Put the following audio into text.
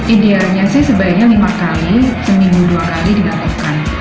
idealnya sih sebaiknya lima kali seminggu dua kali dilakukan